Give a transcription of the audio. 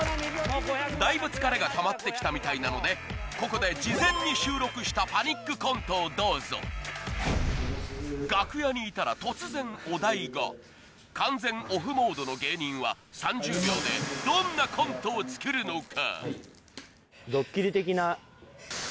だいぶ疲れがたまって来たみたいなのでここでどうぞ楽屋にいたら突然お題が完全オフモードの芸人は３０秒でどんなコントを作るのか？